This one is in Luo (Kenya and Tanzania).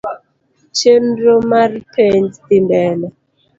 Chenro mar penj dhi mbele.